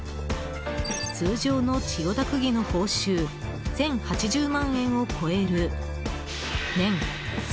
通常の千代田区議の報酬１０８０万円を超える年